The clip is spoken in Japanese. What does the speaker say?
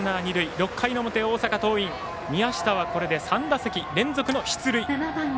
６回の表、大阪桐蔭宮下は３打席連続の出塁。